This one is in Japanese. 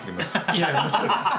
いやいやもちろんですよ。